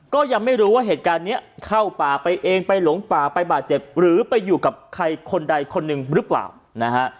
ก็ยังไม่รู้ว่าเหตุการณ์นี้เข้าป่าไปเองไปหลงป่าไปบาดเจ็บหรือไปอยู่กับใครคนใดคนหนึ่งหรือเปล่านะฮะ